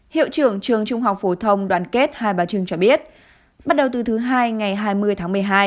hiệu trưởng trường trung học phổ thông đoàn kết hai bà trưng cho biết bắt đầu từ thứ hai ngày hai mươi tháng